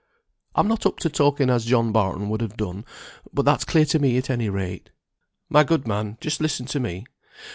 I'm not up to talking as John Barton would have done, but that's clear to me at any rate." "My good man, just listen to me.